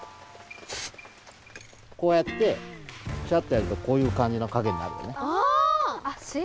こうやってシャッとやるとこういうかんじのかげになるじゃない。